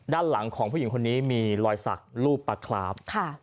ด้านหลังของผู้หญิงคนนี้มีรอยสักรูปปลาคลาฟ